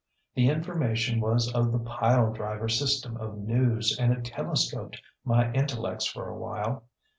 The information was of the pile driver system of news, and it telescoped my intellects for a while.